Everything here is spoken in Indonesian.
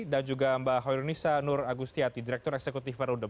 dan juga mbak khairul nisa nur agustiati direktur eksekutif perundem